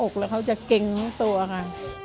ออกแล้วเขาจะเก็งตัวค่ะ